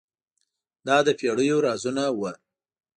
دا د پیړیو رازونه وو.